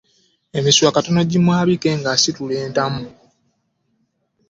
Emisuwa katono gimwabike ng'asitula entamu.